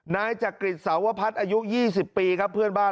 นายจักริตสาวพัฒน์อายุ๒๐ปีครับเพื่อนบ้าน